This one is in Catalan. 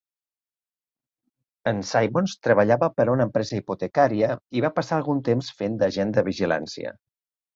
En Simmons treballava per a una empresa hipotecària i va passar algun temps fent d'agent de vigilància.